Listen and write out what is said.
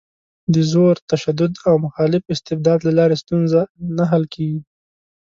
د زور، تشدد او مخالف استبداد له لارې ستونزه نه حل کېږي.